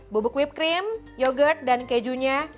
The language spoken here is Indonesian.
bubuk whippe cream yogurt dan kejunya